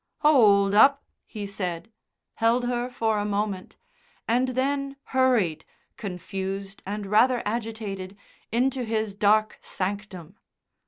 "Hold up," he said, held her for a moment, and then hurried, confused and rather agitated, into his dark sanctum.